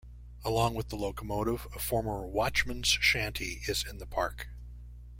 Along with the locomotive, a former "watchman's shanty" is in the park.